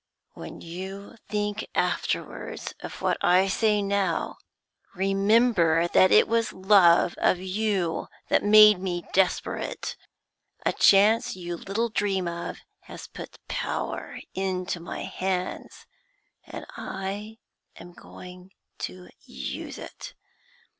'When you think afterwards of what I say now, remember that it was love of you that made me desperate. A chance you little dream of has put power into my hands, and I am going to use it.